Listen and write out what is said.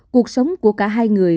cuộc sống của cả hai người